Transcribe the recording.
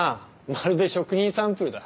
まるで食品サンプルだ。